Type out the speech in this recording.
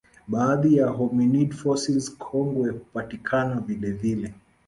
Baadhi ya hominid fossils kongwe hupatikana vilevile